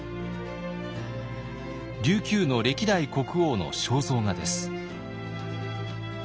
琉球の歴代国王の肖像画です。